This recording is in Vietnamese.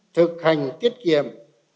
thực hành tiết kiệm